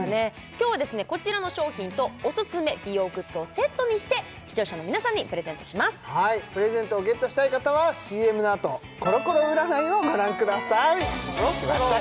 今日はですねこちらの商品とおすすめ美容グッズをセットにして視聴者の皆さんにプレゼントしますプレゼントをゲットしたい方はＣＭの後コロコロ占いをご覧くださいきました